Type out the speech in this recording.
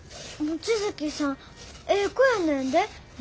望月さんええ子やねんで。